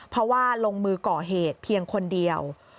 เพราะว่าลงมือก่อเหตุเพียงคนเดียว